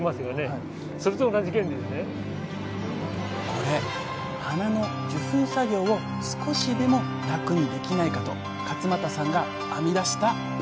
これ花の受粉作業を少しでも楽にできないかと勝間田さんが編み出した裏ワザ。